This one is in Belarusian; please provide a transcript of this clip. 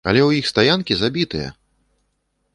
Але ў іх стаянкі забітыя!